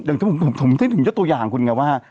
อย่างถึงตัวอย่างคุณไงว่า